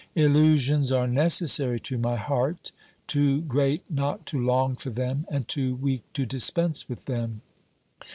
Illusions are necessary to my heart, too great not to long for them and too weak to dispense with them.